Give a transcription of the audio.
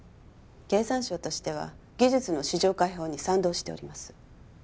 経産省としては技術の市場開放に賛同しております